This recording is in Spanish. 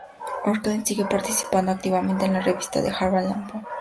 Oakley sigue participando activamente en la revista "Harvard Lampoon".